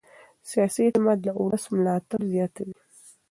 سیاسي اعتماد د ولس ملاتړ زیاتوي